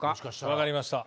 分かりました。